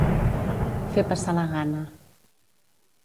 Fer passar la gana.